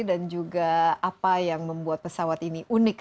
dan juga apa yang membuat pesawat ini unik